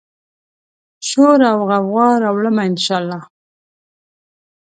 شوراوغوغا راوړمه، ان شا الله